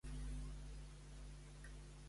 Desa que no m'agrada gens el tema que està sonant.